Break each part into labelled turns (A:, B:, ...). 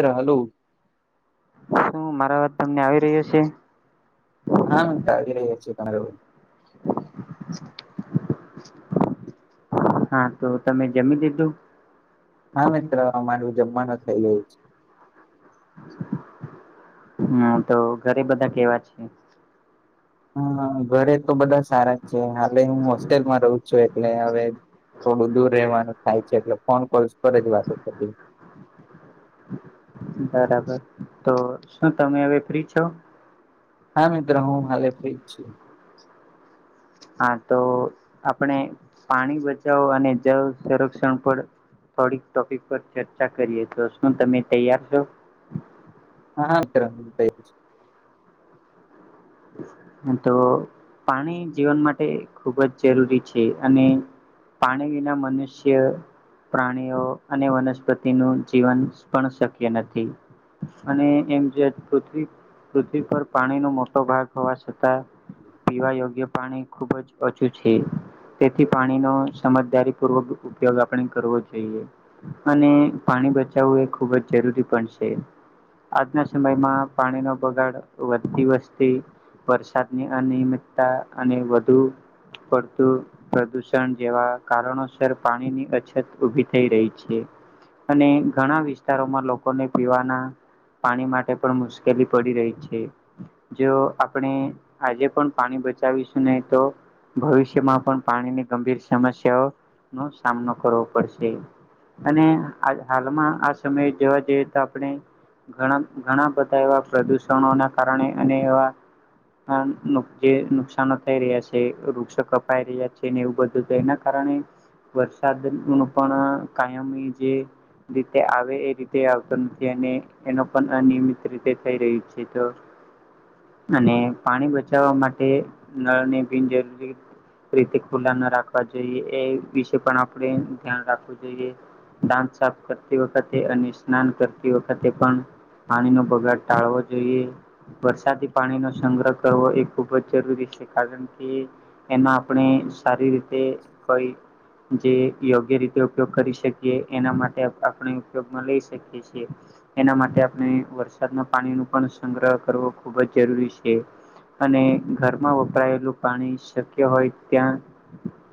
A: અ hello
B: શું મારા વાત તમને આવી રહ્યો છે.
A: હા હ તાજ રહી જ છ છે તમારે
B: [inaudible] હા તો તમે જમી દીધું
A: હા મિત્ર મારું જમવાનું થઈ ગયું છે.
B: હમ તો ઘરે બધા કેવા છે
A: હ ઘરે તો બધા સારા છે હાલે હું હોસ્ટેલમાં રહ છું એક એટલે હવે થોડું દૂર રહેવાનું થાય છે એટલે ફોન કોલ્સ પર જ વાતો કરતી
B: બરાબર તો શું તમે હવે ફ્રી છો
A: હા મિત્ર હું હાલે ફ્રી છું
B: હા તો આપણે પાણી બચાવો અને જળ સંરક્ષણ પર થોડીક ટોપિક પર ચર્ચા કરીએ તો શું તમે તૈયાર છો
A: હા હ છે
B: તો પાણી જીવન માટે ખુબ જ જરૂરી છે અને પાણી વિના મનુષ્ય પ્રાણીઓ અને વનસ્પતિનું જીવન પણ શક્ય નથી અને એમ છે પૃથ્વી પૃથ્વી પર પાણીનોમોટો ભાગ હોવા છતાં પીવા યોગ્ય પાણી ખુબ જ ઓછું છે તેથી પાણીનો સમજદારી પૂર્વક ઉપયોગ આપણે કરવો જોઈએ અને પાણી બચાવવું એ ખૂબ જ જરૂરી પણ છે આજના સમયમાં પાણીનો બગાડ વધતી વસ્તી વરસાદની અનિયમિતતા અને વધુ પડતું પ્રદૂષણ જેવા કારણોસર પાણીની અછત ઉભી થઈ રહી છે અને ઘણા વિસ્તારોમાં લોકોને પીવાના પાણી માટે પણ મુશ્કેલી પડી રહી છે જો આપણે આજે પણ પાણી બચાવીશું નહી તો ભવિષ્યમાં પણ પાણીની ગંભીર સમસ્યાઓ નો સામનો કરવો પડશે અને હાલમાં આ સમયે જવા જઈએ તો આપણે ઘણા ઘણા બધા એવા પ્રદુષણોના કારણે અને એવા પણ જે નુકશાન થઈ રહ્યા છે વૃક્ષ કપાઈ રહ્યા છે ને એવું બધું એના કારણે વરસાદ ન પણ કાયમ જે રીતે આવે એ રીતે આવતો નથી અને એનો પણ અનિયમિત રીતે થઈ રહ્યું છે તો અને પાણી બચાવવા માટે નળને બિનજરૂરી રીતે ખુલ્લા ના રાખવા જોઈએ એ વિશે પણ આપણે ધ્યાન રાખવું જોઈએ દાંત સાફ કરતી વખતે અને સ્નાન કરતી વખતે પણ પાણીનો પગાર ટાળવો જોઈએ વરસાદી પાણીનો સંગ્રહ કરવો એ ખૂબ જ જરૂરી છે કારણ કે એના આપણે સારી રીતે કોઈ જે યોગ્ય રીતે ઉપયોગ કરી શકીએ એના માટે આપણે ઉપયોગમાં લઈ શકીએ છીએ એના માટે આપણે વરસાદના પાણી ન પણ સંગ્રહ કરવો ખૂબ જ જરૂરી છે. અને ઘરમાં વપરાયેલું પાણી શક્ય હોય ત્યાં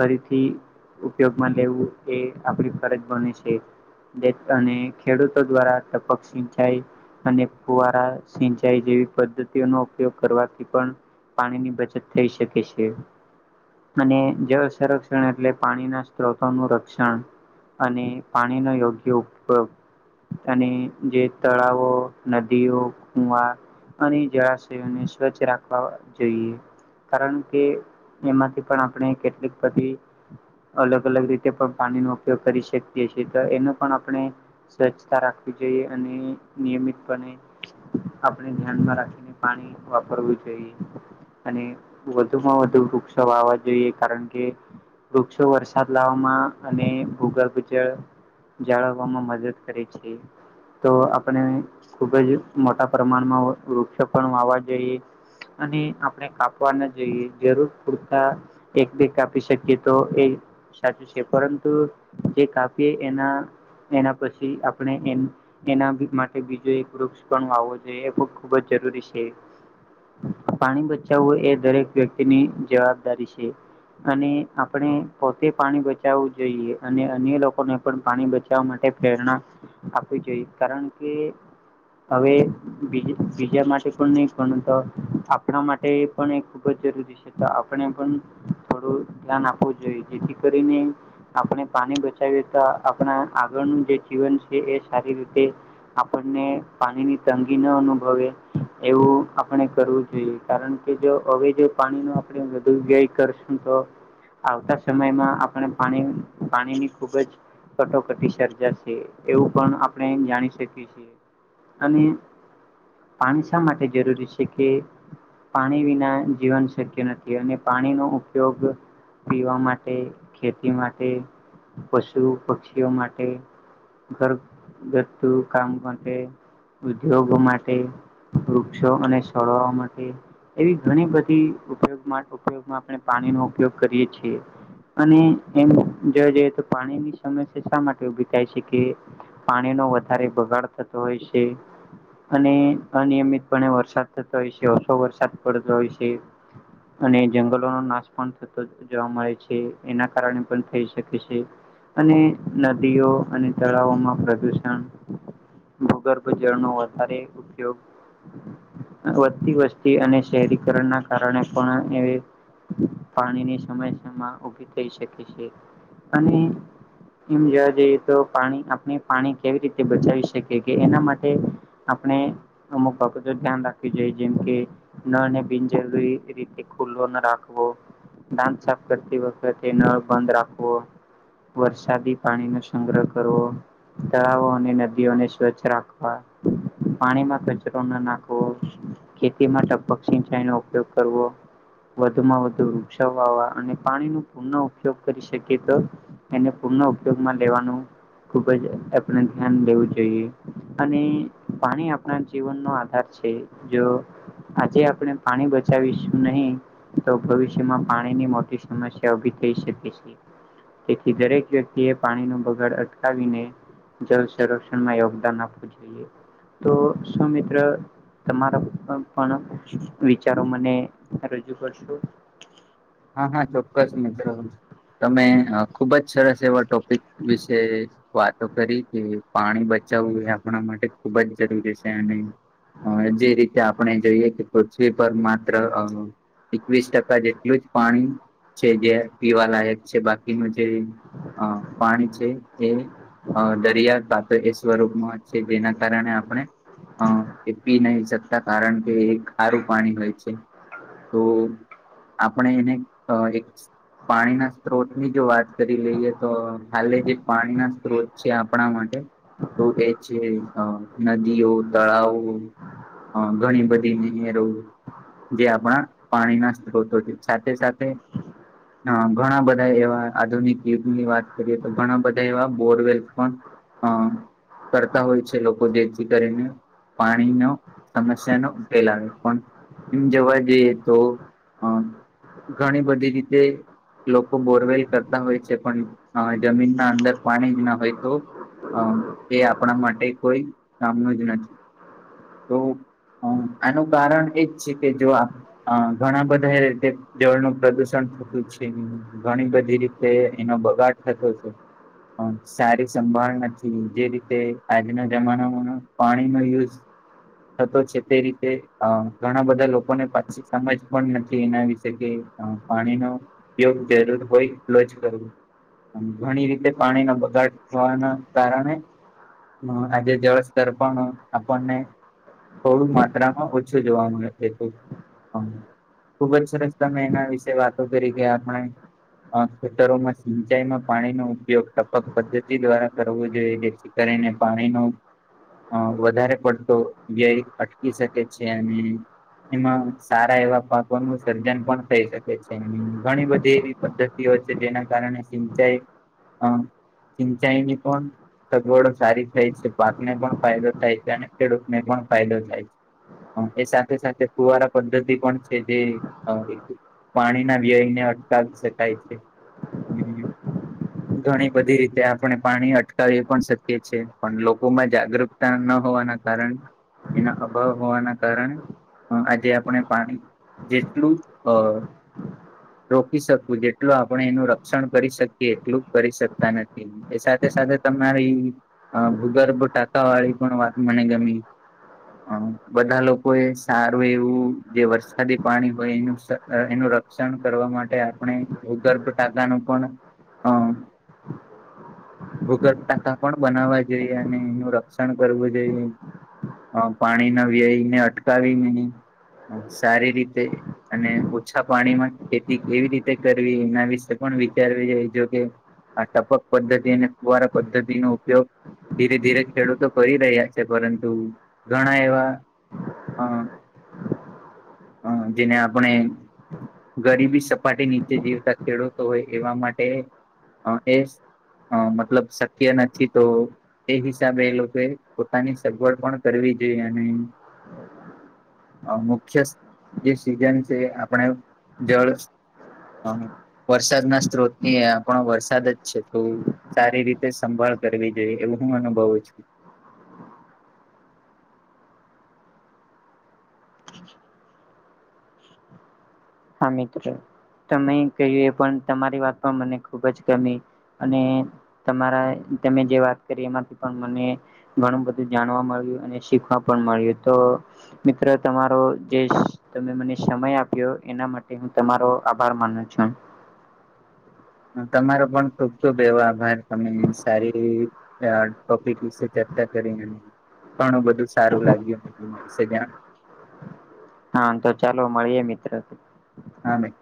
B: ફરીથી ઉપયોગમાં લેવું એ આપણી ફરજ બને છે અને ખેડૂતો દ્વારા તપક સિંચાઈ અને કુવારા સિંચાઈ જેવી પદ્ધતિ નો ઉપયોગ કરવાથી પણ પાણીની બચત થઈ શકે છે અને જળ સંરક્ષણ એટલે પાણીના સ્ત્રોતોનું શિક્ષણ અને પાણીનો યોગ્ય ઉપયોગ અનેની જે તળાવો નદીઓ કુવા અને જળાશયોને સ્વચ્છ રાખવા જોઈએ કારણ કે એમાંથી પણ આપણે કેટલીક બધી અલગ અલગ રીતે પણ પાણીનો ઉપયોગ કરી શકીએ છીએ તો એનો પણ આપણે સ્વચ્છતા રાખવી જોઈએ અને નિયમિતપણે આપણે ધ્યાનમાં રાખી પાણી વાપરવું જોઈએ. અને વધુમાં વધુ વૃક્ષ વાવા જોઈએ કારણ કે વૃક્ષો વરસાદ લાવવામાં અને ભૂગર્ભ જળ જાળવવામાં મદદ કરે છે. તો આપણે ખુબ જ મોટા પ્રમાણમાં વૃક્ષ પણ વાવા જોઈએ. અને આપણે કાપવા ના જઈએ જરૂર પૂરતા એક બે કાપી શકીએ તો એ સાચું છે પરંતુ જે કાપીએ એના એના પછી આપણે એના માટે બીજો એક વૃક્ષ પણ વાવવો જોઈએ એ ખુબ જ જરૂરી છે. પાણી બચાવવું એ દરેક વ્યક્તિની જવાબદારી છે. અને આપણે પોતે પાણી બચાવવું જોઈએ અને અન્ય લોકોને પણ પાણી બચાવવા માટે પ્રેરણા આપવી જોઈએ કારણ કે હવે બી બીજા માટે પણ નહી પણ તો આપણા માટે પણ એ ખુબ જ જરૂરી છે. આપણે પણ થોડું ધ્યાન આપવું જોઈએ જેથી કરીને આપણે પાણી બચાવીએ તો આપણા આગળનું જે જીવન છે એ સારી રીતે આપણને પાણીની તંગી ન અનુભવે એવું આપણે કરવું જોઈએ કારણ કે જો હવે જો પાણી નું આપણે વધુ વ્યય કરશું તો આવતા સમયમાં આપણે પાણી પાણીની ખુબ જ કટોકટી સર્જાશે એવું પણ આપણે જાણી શકીએ છીએ અને પાણી શા માટે જરૂરી છે કે પાણી વિના જીવન શક્ય નથી અને પાણીનો ઉપયોગ પીવા માટે ખેતી માટે પશુ પક્ષીઓ માટે ઘર ઘથું કામ માટે ઉદ્યોગ માટે વૃક્ષો અને છોડવા માટે એવી ઘણી બધી ઉપયોગમાં ઉપયોગમાં આપણે પાણીનો ઉપયોગ કરીએ છીએ અને એમ જોવા જઈએ તો પાણીની સમસ્યા શા માટે ઉભી થાય છે કે પાણીનો વધારે બગાડ થતો હોય છે. અને અનિયમિતપણે વરસાદ થતો હોય છે ઓછો વરસાદ પડતો હોય છે. અને જંગલો નો નાશ પણ થતો જોવા મળે છે એના કારણે પણ થઈ શકે છે. અને નદીઓ અને તળાવોમાં પ્રદુષણ ભૂગર્ભ જળનો વધારે ઉપયોગ વધતી વસ્તી અને શહેરીકરણના કારણે પણ એ પાણીની સમસ્યા માં ઉભી થઈ શકે છે અને એમ જોવા જઈએ તો પાણી આપણે પાણી કેવી રીતે બચાવી શકીએ કે એના માટે આપણે અમુક બાબતો ધ્યાન રાખવીું જોઈએ જેમ કે ને બિનજરૂરી રીતે ખુલ્લું ન રાખવો દાંત સાફ કરતી વખત નળ બંધ રાખવો. વરસાદી પાણી નો સંગ્રહ કરવો તળાવો અને નદીઓને સ્વચ્છ રાખવા પાણીમાં કચરો ના નાખવો ખેતી માટે ટપક સિંચાઈ નો ઉપયોગ કરવો વધુમાં વધુ વૃક્ષ વાવા અને પાણી ન પૂર્ણ ઉપયોગ કરી શકીએ તો એને પૂર્ણ ઉપયોગમાં લેવાનું ખુબ જ આપણે ધ્યાન લેવું જોઈએ અને પાણી આપણા જીવનનો આધાર છે જો આજે આપણે પાણી બચાવીશું નહી તો ભવિષ્યમાં પાણીની મોટી સમસ્યા ઉભી થઈ શકે છે. તેથી દરેક વ્યક્તિ એ પાણીનો બગાડ અટકાવીને જલ સંરક્ષણમાં યોગદાન આપવું જોઈએ. તો શું મિત્ર તમારા પ પણ આપવાનો. વિચારો મને રજૂ કરશો.
A: હા હા, ચોક્કસ મિત્ર તમે. ખુબ જ સરસ એવા ટોપિક વિશે વાતો કરી કે પાણી બચાવવું હોય આપણા માટે ખુબ જ જરૂરી છે અને જે રીતે આપણે જોઈએ કે પૃથ્વી પર માત્ર એકવીસ ટકા જેટલું જ પાણી છે જે પીવા લાયક છે બા એનુ જે અ પાણી છે એ અ દરિયા કાતે એ સ્વરૂપમાં સીબી ના કારણે આપણે. હ, એ પી નહી શકતા કારણ કે એ ખારું પાણી હોય છે તો આપણે એને એક પાણીના સ્ત્રોતની જો વાત કરી લઈએ તો હાલે જે પાણીના સ્ત્રોત છે આપણા માટે તો એ છે નદીઓ, તળાવો અ ઘણી બધી જે આપણા પાણીના સ્ત્રોતો છે. સાથે સાથે. હ, ઘણા બધા એવા આધુનિક યુગની વાત કરીએ તો ઘણા બધા એવા બોરવેલ પણ અ કરતા હોય છે લોકો જેથી કરીને. પાણીનો સમસ્યાનો ઉકેલ આવે પણ જોવા જઈએ તો અ. ઘણી બધી રીતે લોકો બોરવેલ કરતા હોય છે પણ જમીનના અંદર પાણી જ ના હોય તો. અ એ આપણા માટે કોઈ કામનો જ નથી તો. હ, આનું કારણ એજ છે કે જો આ અ ઘણા બધા એ રીતે જળનું પ્રદુષણ થતું છે ઘણી બધી રીતે એનો બગાડ થતો છે. સારી સંભાળ નથી જે રીતે આજના જમાનામાં પાણી નો યુઝ થતો છે તે રીતે અ ઘણા બધા લોકોને પાછી સમજ પણ નથી એના વિશે. છેકે પાણીનો ઉપયોગ જરૂર હોય એટલો જ કરવું. ઘણી રીતે પાણીના બગાડ થવાના કારણે હ, આજે જળસ્તર પણ આપણને. થોડું માત્રામાં ઓછું જોવા મળે ખુબ જ સરસ. તમે એના વિશે વાતો કરી ગયા આપણે. અ ખેતરોમાં સિંચાઈમાં પાણીનો ઉપયોગ ટપક પદ્ધતિ દ્વારા કરવું જોઈએ. કરીને પાણીનો અ વધારે પડતો વ્યય અટકી શકે છે અને એમાં સારા એવા પાકોનું સર્જન પણ થઈ શકે છે ઘણી બધી એવી પદ્ધતિઓ છે જેના કારણે સિંચાઈ હા, સિંચાઈની પણ સગવડો સારી થાય છે પાકને પણ ફાયદો થાય છે અને ખેડૂતને પણ ફાયદો થાય છે. એ સાથે સાથે કુવારા પદ્ધતિ પણ છે જે હ, એક પાણીના વ્યયને અટકાવી શકાય છે. ઘણી બધી રીતે આપણે પાણી અટકાવી પણ શકીએ છીએ પણ લોકોમાં જાગૃત તા ન હોવાના કારણે એના અભાવ હોવાના કારણે આજે આપણે પાણી જે પેલુ અ. રોકી શકવું જેટલું આપણે એનું રક્ષણ કરી શકીએ એટલું જ કરી શકતા નથી. એ સાથે સાથે તમારી ભૂગર્ભ ટાંકા વાળી પણ વાત મને ગમી. અમ્મ, બધા લોકો એ સારું એવું જે વરસાદી પાણી બ એનું શ અહ એનું રક્ષણ કરવા માટે આપણે ભૂગર્ભ ટાકાનું પણ હા. ભૂગર્ ટાકા પણ બનાવવા જોઈએ અને એનું રક્ષણ કરવું જોઈએ. અહ પાણી ના વિઆઇ ને અટકાવીને આમ સારી રીતે અને ઓછા પાણીમાં ખેતી કેવી રીતે કરવી એના વિશે પણ વિચારવી જોઈ જોકે આ ટપક પદ્ધતિ અને કુવારા પદ્ધતિનો ઉપયોગ ધીરે ધીરે ખેડૂતો કરી રહ્યા છે પરંતુ ઘણા એવા હા, હા જેને આપણે ગરીબી સપાટી નીચે જીવતા ખેડૂતો હોય એવા માટે અહ એસ અહ મતલબ શક્ય નથી તો એ હિસાબે એ લોકો પોતાની સગવડ પણ કરવી જોઈએ અને અહ મુખ્યસ જે સિઝન છે આપણે જળ અહ વરસાદ ના સ્ત્રોત ની અહ પણ વરસાદ જ છે તો સારી રીતે સંભાળ કરવી જોઈએ એવું હું અનુભવું છું.
B: હા, મિત્ર તમે કહ્યું એ પણ તમારી વાત પણ મને ખુબ જ ગમી. અને તમારા તમે જે વાત કરી એમાંથી પણ મને ઘણું બધું જાણવા મળ્યું અને શીખવા પણ મળ્યું તો મિત્ર તમારો જે તમે મને સમય આપ્યો એના માટે હું તમારો આભાર માનું છું.
A: તમારો પણ ખુબ ખુબ એવો આભાર તમે સારી અહ ટોપિક વિશે ચર્ચા કરી અને ઘણું બધું સારું લાગ્યું એના વિશે જાણ્યું
B: હા, તો ચાલો મળીએ મિત્ર પી
A: હા ભાઈ.